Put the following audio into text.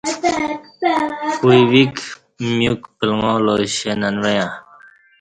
کوئی ویک میوک پلݣالاش اے ننوعݩہ